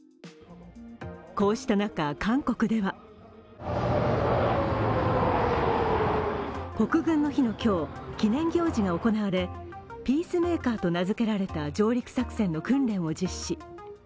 こうした中、韓国では国軍の日の今日、記念行事が行われピースメーカーと名付けられた上陸作戦の訓練を実施。